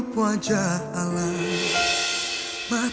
aku akan mencari kamu